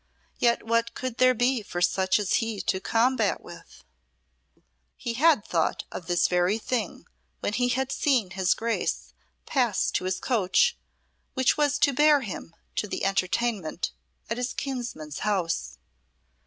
Yet what could there be for such as he to combat with?" He had thought of this very thing when he had seen his Grace pass to his coach which was to bear him to the entertainment at his kinsman's house.